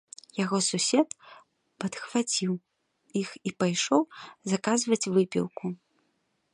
Яго сусед падхваціў іх і пайшоў заказваць выпіўку.